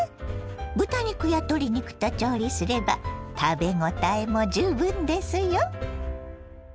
豚肉や鶏肉と調理すれば食べごたえも十分ですよ。